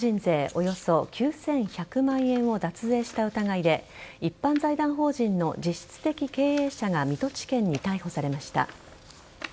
およそ９１００万円を脱税した疑いで一般財団法人の実質的経営者が水戸地検に逮捕されました。